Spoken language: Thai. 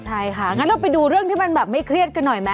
ใช่ค่ะงั้นเราไปดูเรื่องที่มันแบบไม่เครียดกันหน่อยไหม